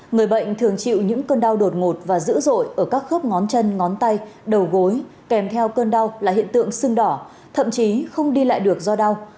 người bệnh thường chịu những cơn đau đột ngột và dữ dội ở các khớp ngón chân ngón tay đầu gối kèm theo cơn đau là hiện tượng sưng đỏ thậm chí không đi lại được do đau